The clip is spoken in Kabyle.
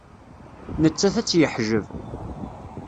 Nettat ad tt-yeḥjeb.